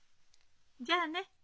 じゃあね。